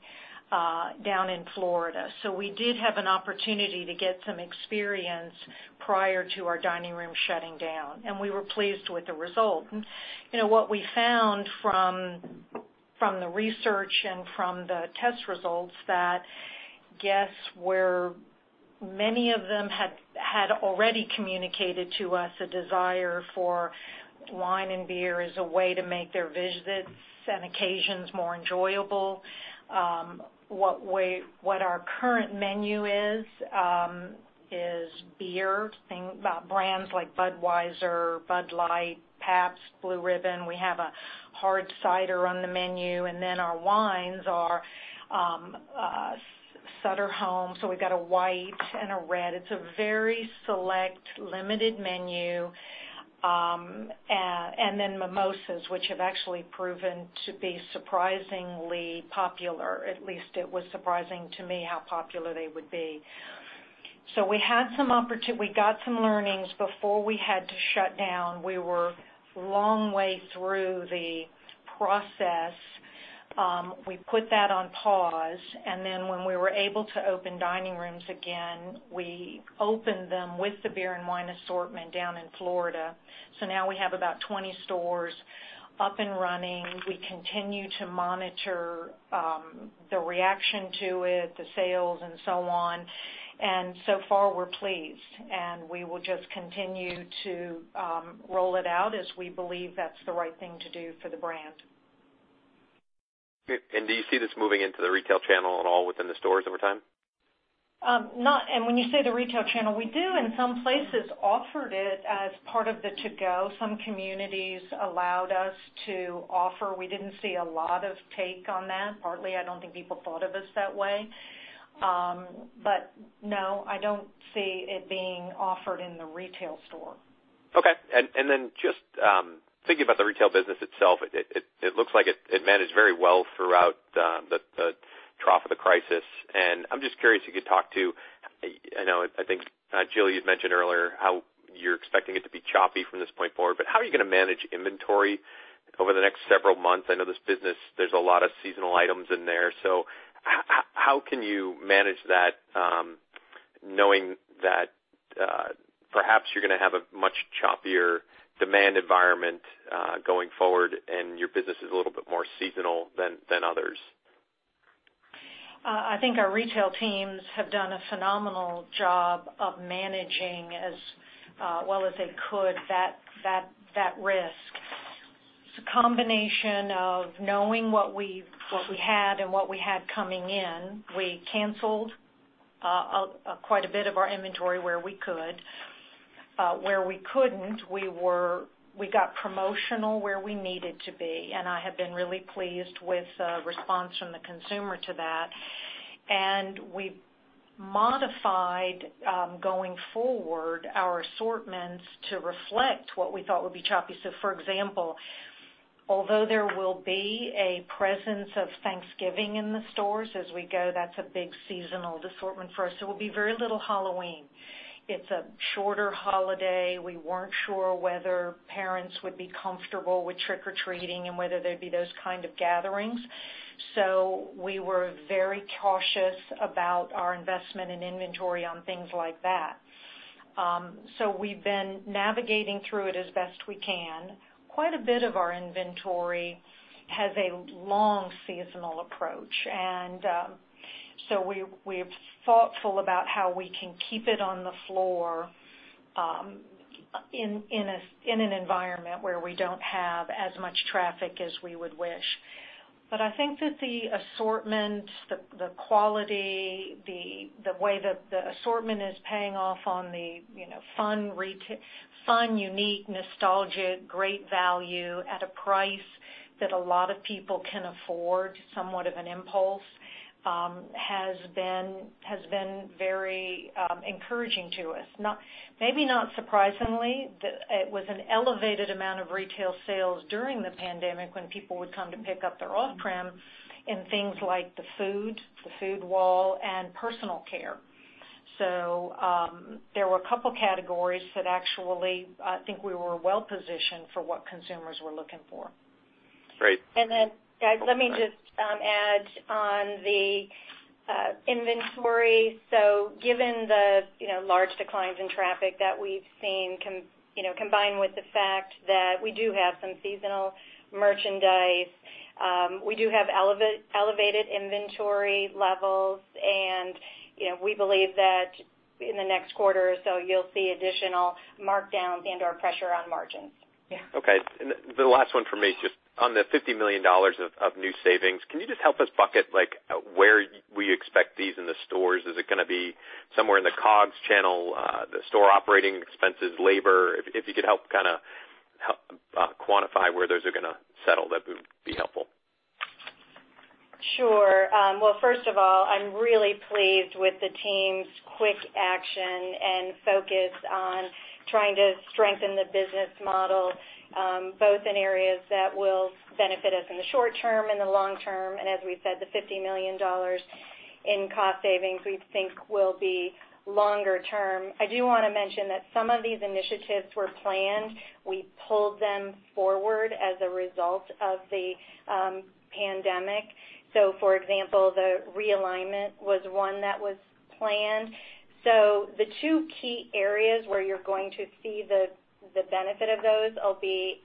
down in Florida. We did have an opportunity to get some experience prior to our dining room shutting down, and we were pleased with the result. What we found from the research and from the test results that guests, many of them had already communicated to us a desire for wine and beer as a way to make their visits and occasions more enjoyable. What our current menu is beer. Think about brands like Budweiser, Bud Light, Pabst Blue Ribbon. We have a hard cider on the menu, our wines are Sutter Home. We've got a white and a red. It's a very select limited menu. Then mimosas, which have actually proven to be surprisingly popular. At least it was surprising to me how popular they would be. We got some learnings before we had to shut down. We were a long way through the process. We put that on pause, and then when we were able to open dining rooms again, we opened them with the beer and wine assortment down in Florida. Now we have about 20 stores up and running. We continue to monitor the reaction to it, the sales and so on. So far, we're pleased, and we will just continue to roll it out as we believe that's the right thing to do for the brand. Great. Do you see this moving into the retail channel at all within the stores over time? Not, when you say the retail channel, we do in some places offered it as part of the to-go. Some communities allowed us to offer. We didn't see a lot of take on that. Partly, I don't think people thought of us that way. No, I don't see it being offered in the retail store. Okay. Just thinking about the retail business itself, it looks like it managed very well throughout the trough of the crisis, and I'm just curious if you could talk to, I know, I think, Jill, you'd mentioned earlier how you're expecting it to be choppy from this point forward, but how are you going to manage inventory over the next several months? I know this business, there's a lot of seasonal items in there. How can you manage that knowing that perhaps you're going to have a much choppier demand environment going forward and your business is a little bit more seasonal than others? I think our retail teams have done a phenomenal job of managing as well as they could that risk. It's a combination of knowing what we had and what we had coming in. We canceled quite a bit of our inventory where we could. Where we couldn't, we got promotional where we needed to be, and I have been really pleased with the response from the consumer to that. We modified, going forward, our assortments to reflect what we thought would be choppy. For example, although there will be a presence of Thanksgiving in the stores as we go, that's a big seasonal assortment for us. There will be very little Halloween. It's a shorter holiday. We weren't sure whether parents would be comfortable with trick or treating and whether there'd be those kind of gatherings. We were very cautious about our investment in inventory on things like that. We've been navigating through it as best we can. Quite a bit of our inventory has a long seasonal approach, and so we're thoughtful about how we can keep it on the floor in an environment where we don't have as much traffic as we would wish. I think that the assortment, the quality, the way that the assortment is paying off on the fun, unique, nostalgic, great value at a price that a lot of people can afford, somewhat of an impulse, has been very encouraging to us. Maybe not surprisingly, it was an elevated amount of retail sales during the pandemic when people would come to pick up their off-prem in things like the food, the food wall, and personal care. There were a couple categories that actually, I think we were well-positioned for what consumers were looking for. Great. Let me just add on the inventory. Given the large declines in traffic that we've seen, combined with the fact that we do have some seasonal merchandise, we do have elevated inventory levels. We believe that in the next quarter or so you'll see additional markdowns and/or pressure on margins. Yeah. Okay. The last one from me, just on the $50 million of new savings, can you just help us bucket where we expect these in the stores? Is it going to be somewhere in the COGS channel, the store operating expenses, labor? If you could help quantify where those are going to settle, that would be helpful. First of all, I'm really pleased with the team's quick action and focus on trying to strengthen the business model, both in areas that will benefit us in the short term and the long term. As we said, the $50 million in cost savings we think will be longer-term. I do want to mention that some of these initiatives were planned. We pulled them forward as a result of the pandemic. For example, the realignment was one that was planned. The two key areas where you're going to see the benefit of those will be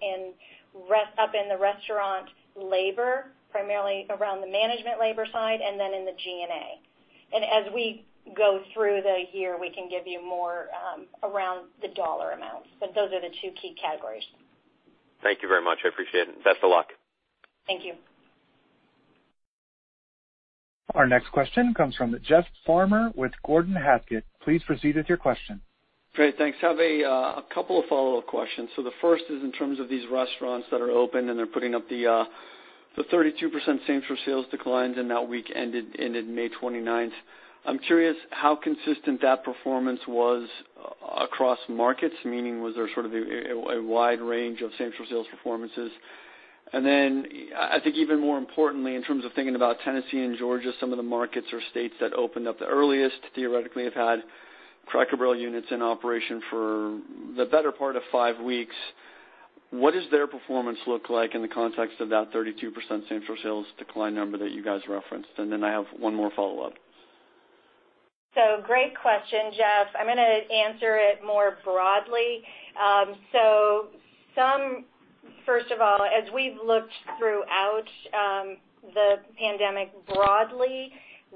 up in the restaurant labor, primarily around the management labor side, and then in the G&A. As we go through the year, we can give you more around the dollar amounts, but those are the two key categories. Thank you very much. I appreciate it. Best of luck. Thank you. Our next question comes from Jeff Farmer with Gordon Haskett. Please proceed with your question. Great. Thanks. Have a couple of follow-up questions. The first is in terms of these restaurants that are open and they're putting up the 32% same-store sales declines in that week ended May 29th. I'm curious how consistent that performance was across markets. Meaning, was there sort of a wide range of same-store sales performances? Then I think even more importantly, in terms of thinking about Tennessee and Georgia, some of the markets or states that opened up the earliest theoretically have had Cracker Barrel units in operation for the better part of five weeks. What does their performance look like in the context of that 32% same-store sales decline number that you guys referenced? Then I have one more follow-up. Great question, Jeff. I'm going to answer it more broadly. First of all, as we've looked throughout the pandemic broadly,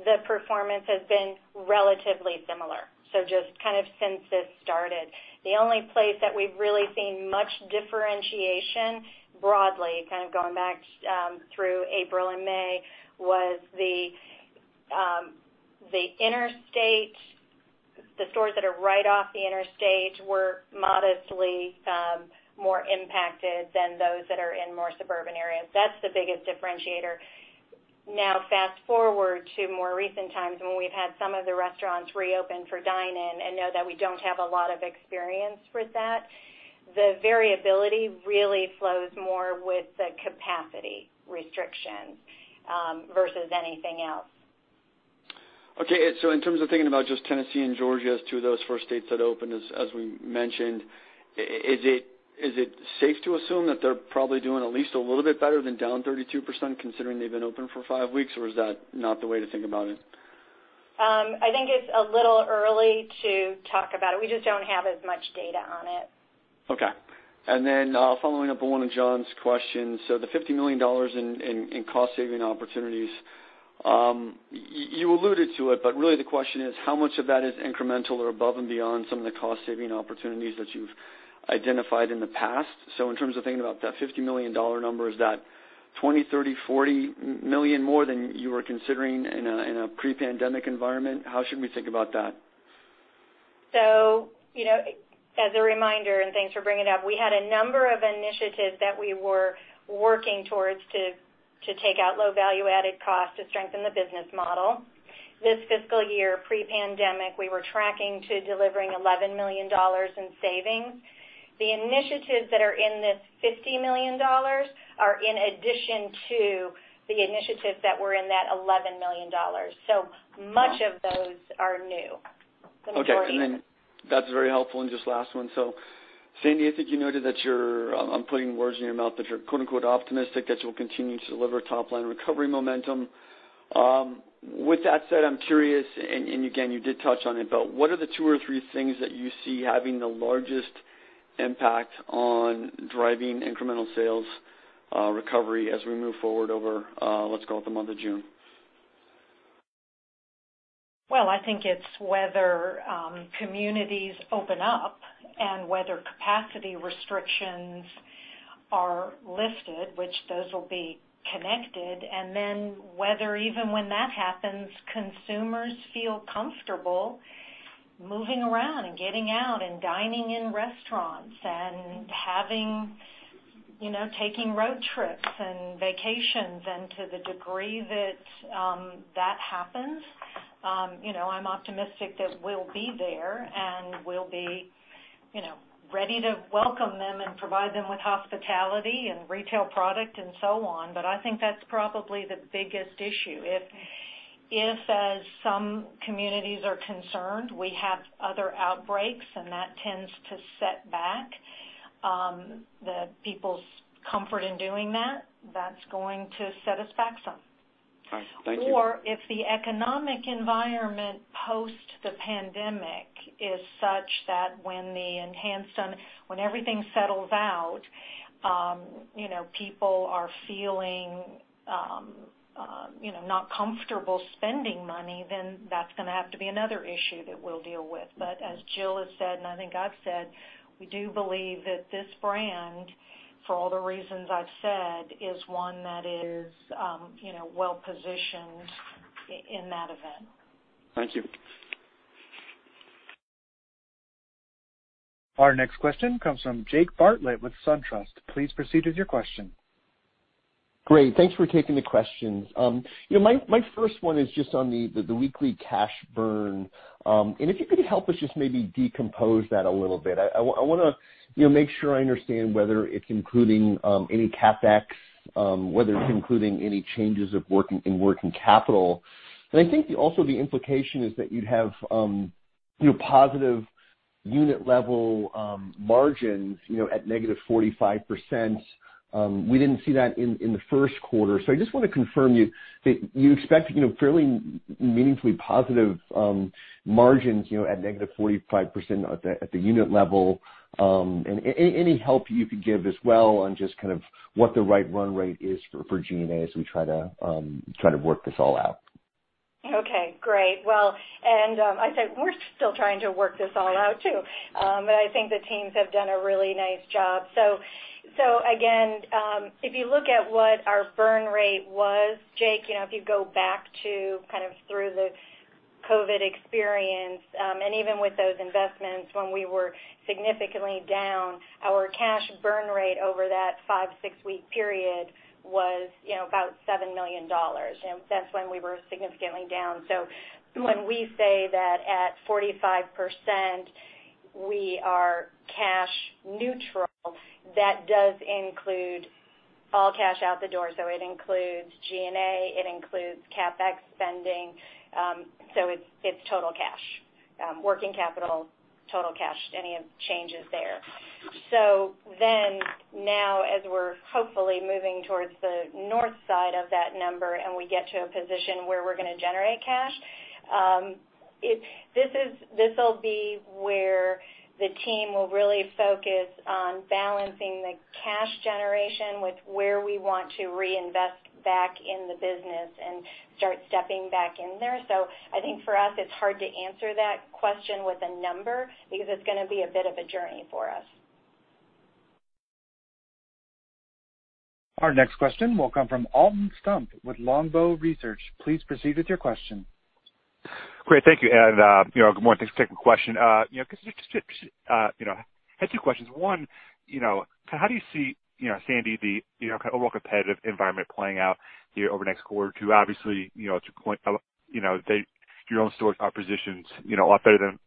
the performance has been relatively similar. Just kind of since this started. The only place that we've really seen much differentiation broadly, kind of going back through April and May, was the stores that are right off the interstate were modestly more impacted than those that are in more suburban areas. That's the biggest differentiator. Fast-forward to more recent times when we've had some of the restaurants reopen for dine-in, and know that we don't have a lot of experience with that. The variability really flows more with the capacity restrictions versus anything else. Okay. In terms of thinking about just Tennessee and Georgia as two of those first states that opened, as we mentioned, is it safe to assume that they're probably doing at least a little bit better than down 32%, considering they've been open for five weeks? Or is that not the way to think about it? I think it's a little early to talk about it. We just don't have as much data on it. Okay. Following up on one of Jon's questions, so the $50 million in cost saving opportunities, you alluded to it, but really the question is, how much of that is incremental or above and beyond some of the cost saving opportunities that you've identified in the past? In terms of thinking about that $50 million number, is that $20 million, $30 million, $40 million more than you were considering in a pre-COVID-19 environment? How should we think about that? As a reminder, and thanks for bringing it up, we had a number of initiatives that we were working towards to take out low value-added cost to strengthen the business model. This fiscal year, pre-pandemic, we were tracking to delivering $11 million in savings. The initiatives that are in this $50 million are in addition to the initiatives that were in that $11 million. Much of those are new. The majority. Okay. That's very helpful. Just last one. Sandy, I think you noted that you're, I'm putting words in your mouth, that you're "optimistic" that you'll continue to deliver top line recovery momentum. With that said, I'm curious, and again, you did touch on it, but what are the two or three things that you see having the largest impact on driving incremental sales recovery as we move forward over, let's call it the month of June? I think it's whether communities open up and whether capacity restrictions are lifted, which those will be connected, and then whether even when that happens, consumers feel comfortable moving around and getting out and dining in restaurants and taking road trips and vacations. To the degree that happens, I'm optimistic that we'll be there and we'll be ready to welcome them and provide them with hospitality and retail product and so on. I think that's probably the biggest issue. If, as some communities are concerned, we have other outbreaks and that tends to set back the people's comfort in doing that's going to set us back some. All right. Thank you. If the economic environment post the pandemic is such that when everything settles out, people are feeling not comfortable spending money, then that's going to have to be another issue that we'll deal with. As Jill has said, and I think I've said, we do believe that this brand, for all the reasons I've said, is one that is well positioned in that event. Thank you. Our next question comes from Jake Bartlett with SunTrust. Please proceed with your question. Great. Thanks for taking the questions. My first one is just on the weekly cash burn. If you could help us just maybe decompose that a little bit. I want to make sure I understand whether it's including any CapEx, whether it's including any changes in working capital. I think also the implication is that you'd have positive unit level margins at -45%. We didn't see that in the first quarter. I just want to confirm that you expect fairly meaningfully positive margins at -45% at the unit level. Any help you could give as well on just what the right run rate is for G&A as we try to work this all out. Okay, great. I said, we're still trying to work this all out, too. I think the teams have done a really nice job. Again, if you look at what our burn rate was, Jake, if you go back to kind of through the COVID-19 experience, and even with those investments when we were significantly down, our cash burn rate over that five- to six-week period was about $7 million. That's when we were significantly down. When we say that at 45%, we are cash neutral, that does include all cash out the door. It includes G&A, it includes CapEx spending. It's total cash, working capital, total cash, any changes there. Now as we're hopefully moving towards the north side of that number and we get to a position where we're going to generate cash, this'll be where the team will really focus on balancing the cash generation with where we want to reinvest back in the business and start stepping back in there. I think for us, it's hard to answer that question with a number because it's going to be a bit of a journey for us. Our next question will come from Alton Stump with Longbow Research. Please proceed with your question. Great, thank you. Good morning. Thanks for taking the question. I had two questions. One, how do you see, Sandy, the overall competitive environment playing out here over the next quarter or two? Obviously, to your point, your own stores are positioned a lot better than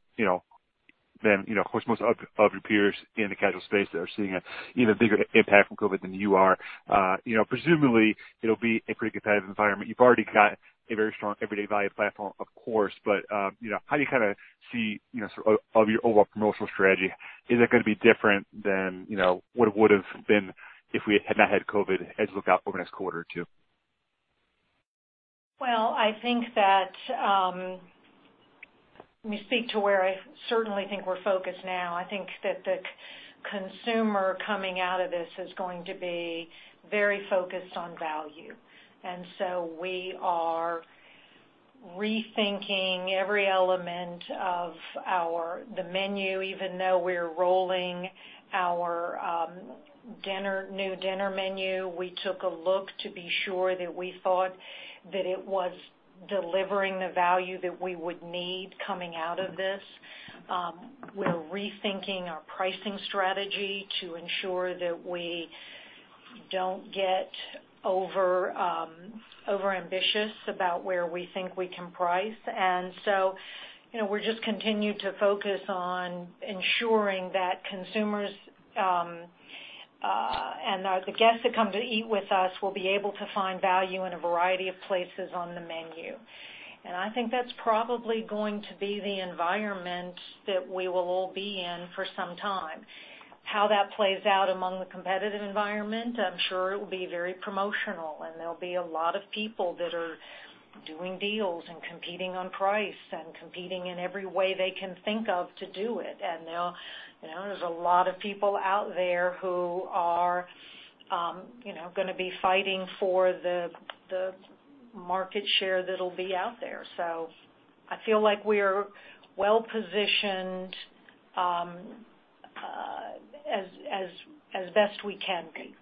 most of your peers in the casual space that are seeing an even bigger impact from COVID than you are. Presumably, it'll be a pretty competitive environment. You've already got a very strong everyday value platform, of course. How do you see your overall promotional strategy? Is it going to be different than what it would have been if we had not had COVID as you look out over the next quarter or two? Well, I think that, let me speak to where I certainly think we're focused now. I think that the consumer coming out of this is going to be very focused on value. We are rethinking every element of the menu, even though we're rolling our new dinner menu. We took a look to be sure that we thought that it was delivering the value that we would need coming out of this. We're rethinking our pricing strategy to ensure that we don't get over-ambitious about where we think we can price. we just continue to focus on ensuring that consumers, and the guests that come to eat with us, will be able to find value in a variety of places on the menu. I think that's probably going to be the environment that we will all be in for some time. How that plays out among the competitive environment, I'm sure it will be very promotional, there'll be a lot of people that are doing deals and competing on price and competing in every way they can think of to do it. There's a lot of people out there who are going to be fighting for the market share that'll be out there. I feel like we're well-positioned as best we can be.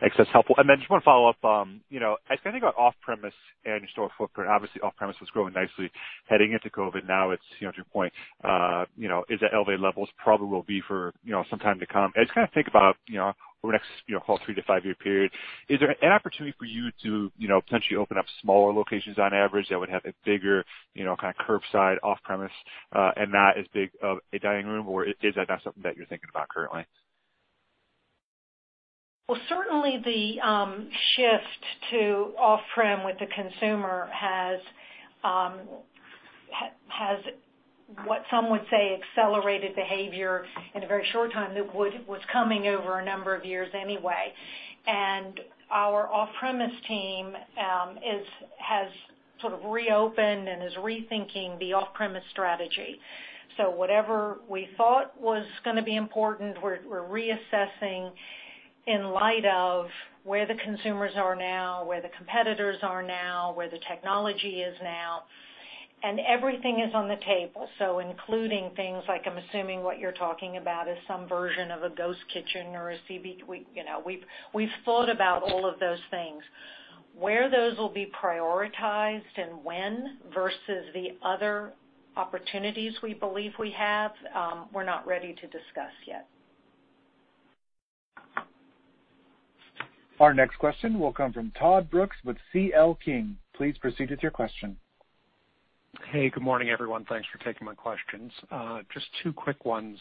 Thanks. That's helpful. Then just one follow-up. I was thinking about off-premise and your store footprint. Obviously, off-premise was growing nicely heading into COVID. Now it's, to your point, is at elevated levels, probably will be for some time to come. I just think about over the next whole three- to five-year period, is there an opportunity for you to potentially open up smaller locations on average that would have a bigger kind of curbside, off-premise, and not as big of a dining room, or is that not something that you're thinking about currently? Well, certainly the shift to off-prem with the consumer has what some would say accelerated behavior in a very short time that was coming over a number of years anyway. Our off-premise team has sort of reopened and is rethinking the off-premise strategy. Whatever we thought was going to be important, we're reassessing in light of where the consumers are now, where the competitors are now, where the technology is now. Everything is on the table. Including things like, I'm assuming what you're talking about is some version of a ghost kitchen or a CB. We've thought about all of those things. Where those will be prioritized and when versus the other opportunities we believe we have, we're not ready to discuss yet. Our next question will come from Todd Brooks with C.L. King. Please proceed with your question. Hey, good morning, everyone. Thanks for taking my questions. Just two quick ones.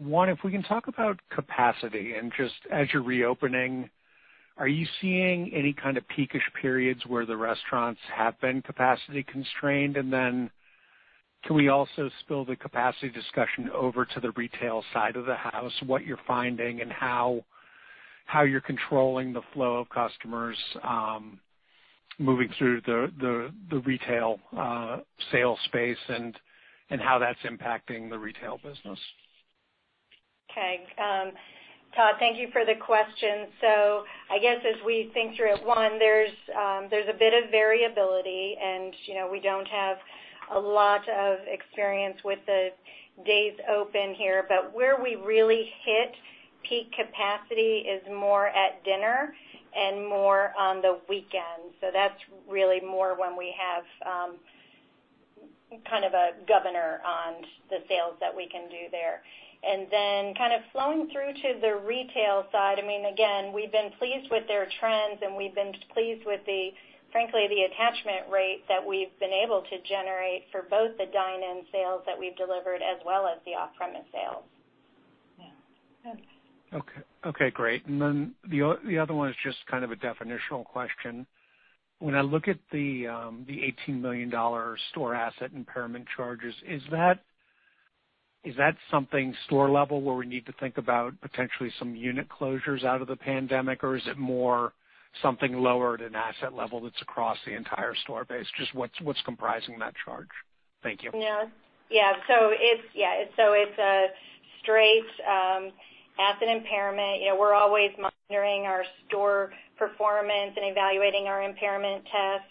If we can talk about capacity and just as you're reopening, are you seeing any kind of peak-ish periods where the restaurants have been capacity constrained? Can we also spill the capacity discussion over to the retail side of the house, what you're finding and how you're controlling the flow of customers moving through the retail sales space and how that's impacting the retail business? Okay. Todd, thank you for the question. I guess as we think through it, one, there's a bit of variability, and we don't have a lot of experience with the days open here. Where we really hit peak capacity is more at dinner and more on the weekends. That's really more when we have kind of a governor on the sales that we can do there. Kind of flowing through to the retail side, again, we've been pleased with their trends, and we've been pleased with, frankly, the attachment rate that we've been able to generate for both the dine-in sales that we've delivered as well as the off-premise sales. Okay, great. The other one is just kind of a definitional question. When I look at the $18 million store asset impairment charges, is that something store level where we need to think about potentially some unit closures out of the pandemic, or is it more something lower at an asset level that's across the entire store base? Just what's comprising that charge? Thank you. Yeah. It's a straight asset impairment. We're always monitoring our store performance and evaluating our impairment tests.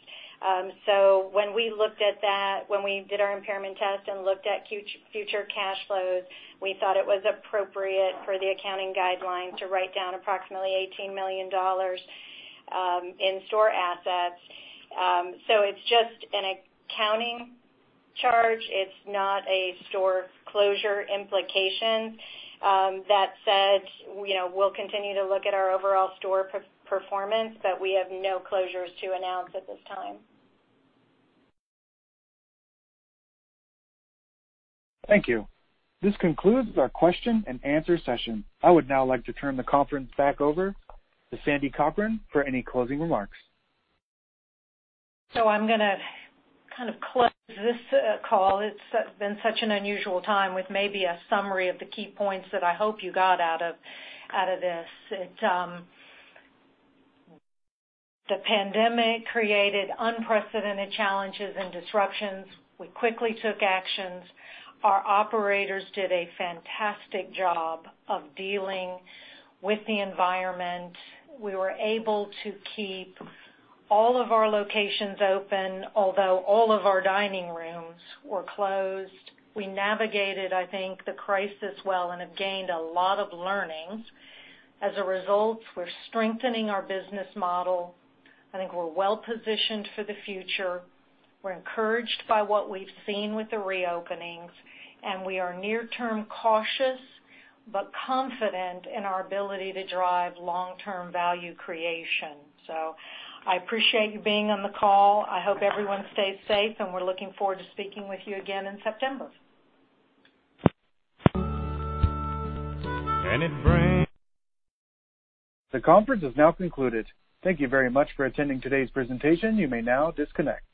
When we looked at that, when we did our impairment test and looked at future cash flows, we thought it was appropriate for the accounting guidelines to write down approximately $18 million in store assets. It's just an accounting charge. It's not a store closure implication. That said, we'll continue to look at our overall store performance, but we have no closures to announce at this time. Thank you. This concludes our question-and-answer session. I would now like to turn the conference back over to Sandy Cochran for any closing remarks. I'm going to kind of close this call, it's been such an unusual time, with maybe a summary of the key points that I hope you got out of this. The pandemic created unprecedented challenges and disruptions. We quickly took actions. Our operators did a fantastic job of dealing with the environment. We were able to keep all of our locations open, although all of our dining rooms were closed. We navigated, I think, the crisis well and have gained a lot of learnings. As a result, we're strengthening our business model. I think we're well-positioned for the future. We're encouraged by what we've seen with the reopenings, and we are near-term cautious, but confident in our ability to drive long-term value creation. I appreciate you being on the call. I hope everyone stays safe, and we're looking forward to speaking with you again in September. The conference is now concluded. Thank you very much for attending today's presentation. You may now disconnect.